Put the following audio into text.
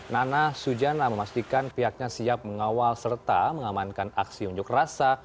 nana sujana memastikan pihaknya siap mengawal serta mengamankan aksi unjuk rasa